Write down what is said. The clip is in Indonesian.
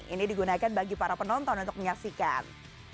ini digunakan bagi para penonton untuk menyaksikan